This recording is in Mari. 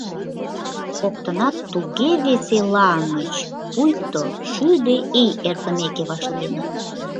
Коктынат туге веселаҥыч, пуйто шӱдӧ ий эртымеке вашлийыныт.